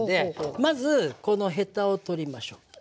まずこのヘタを取りましょう。